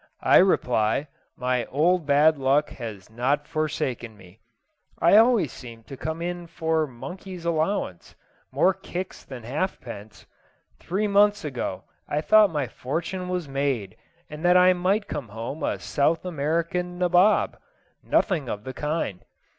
I reply, my old bad luck has not forsaken me. I always seem to come in for monkey's allowance more kicks than halfpence. Three months ago I thought my fortune was made, and that I might come home a South American nabob. Nothing of the kind.